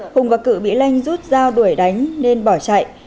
hùng và cự bị lanh rút dao đuổi đánh nên bỏ chạy